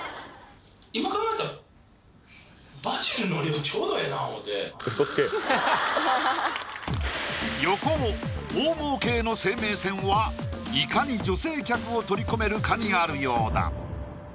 フフフ横尾大儲けへの生命線はいかに女性客を取り込めるかにあるようだ